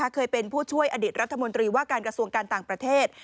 เคยเป็นผู้ช่วยอดีตรัฐมนตรีว่าการกระทรวงการต่างประเทศ